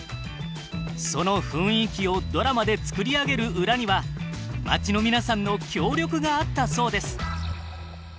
その雰囲気をドラマで作り上げる裏には町の皆さんの協力があったそうです。